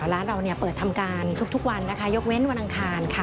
ร้านเราเปิดทำการทุกวันนะคะยกเว้นวันอังคารค่ะ